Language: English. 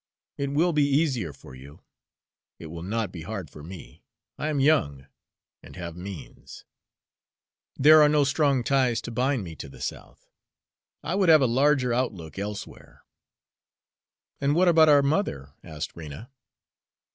It will be easier for you, it will not be hard for me I am young, and have means. There are no strong ties to bind me to the South. I would have a larger outlook elsewhere." "And what about our mother?" asked Rena.